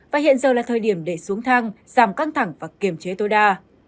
và hiện giờ là thời điểm để xuống thang giảm căng thẳng và kiềm chế tối đa